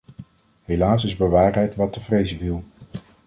Helaas is bewaarheid wat te vrezen viel.